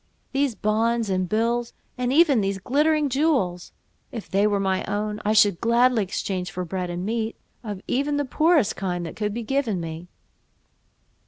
these bonds and bills, and even these glittering jewels, if they were my own, I should gladly exchange for bread and meat, of even the poorest kind that could be given me."